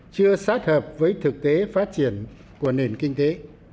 chưa sát hợp với thực tế phát triển của nền kinh tế